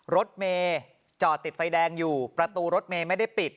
รถเมย์จอดติดไฟแดงอยู่ประตูรถเมย์ไม่ได้ปิด